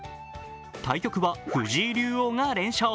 対局は、藤井竜王が連勝。